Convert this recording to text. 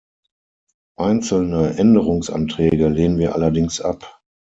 Einzelne Änderungsanträge lehnen wir allerdings ab.